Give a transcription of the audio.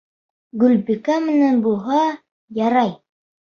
Гөлбикә менән булһа, ярай.